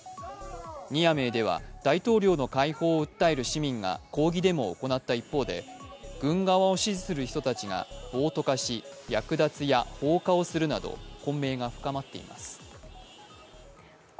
ニアメーでは大統領の解放を訴える市民が抗議デモを行った一方で軍側を支持する人たちが暴徒化し、略奪や放火をするなど混迷が深まっています。